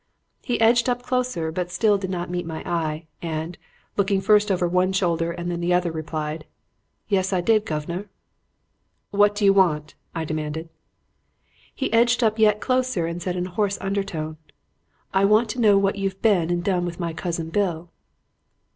"He edged up closer, but still did not meet my eye, and, looking first over one shoulder and then over the other, replied, 'Yus, I did, guv'nor.' "'What do you want?' I demanded. "He edged up yet closer and said in a hoarse undertone, 'I want to know what you've been and done with my cousin Bill.'